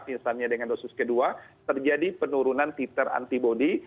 misalnya dengan dosis ke dua terjadi penurunan titer antibody